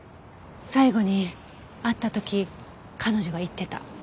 最後に会った時彼女が言ってた。